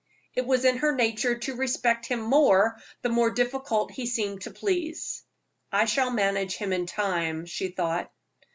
It was in her nature to respect him more, the more difficult he seemed to please. "I shall manage him in time," she thought.